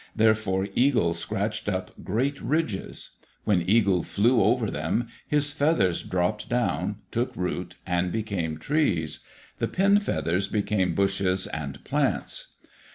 Therefore Eagle scratched up great ridges. When Eagle flew over them, his feathers dropped down, took root, and became trees. The pin feathers became bushes and plants.